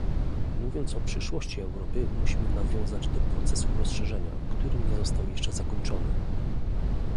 Mówiąc o przyszłości Europy musimy nawiązać do procesu rozszerzenia, który nie został jeszcze zakończony